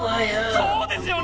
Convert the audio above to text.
そうですよね！